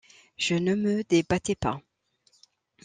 Je ne me débattais pas.